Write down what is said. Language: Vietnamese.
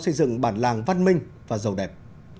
xây dựng bản làng văn minh và giàu đẹp